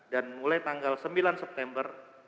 dan mulai tanggal sembilan september